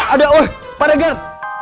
ada wih pak regar